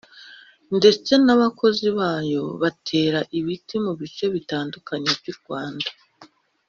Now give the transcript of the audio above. ndetse n’abakozi bayo batera ibiti mu bice bitandukanye by’u Rwanda